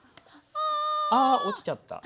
あ！あ落ちちゃった。